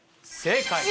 正解！